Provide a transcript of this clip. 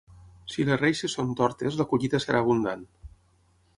Si les reixes són tortes la collita serà abundant.